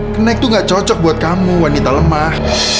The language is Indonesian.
kenaik tuh gak cocok buat kamu wanita lemah